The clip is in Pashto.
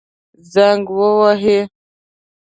زنګ ووهئ